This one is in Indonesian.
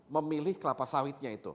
memilih kelapa sawitnya itu